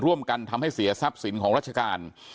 ร่วมกันทำให้เสียทรัพย์สินของรัชกาล